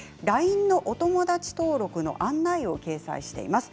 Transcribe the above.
ＬＩＮＥのお友達登録の案内を掲載しています。